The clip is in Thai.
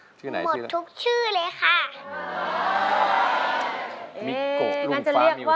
แล้วน้องใบบัวร้องได้หรือว่าร้องผิดครับ